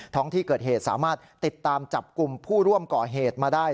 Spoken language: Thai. ท้องที่เกิดเหตุสามารถติดตามจับกลุ่มผู้ร่วมก่อเหตุมาได้